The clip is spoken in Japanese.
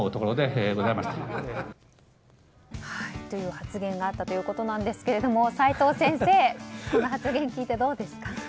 という発言があったということなんですが齋藤先生、この発言聞いてどうですか？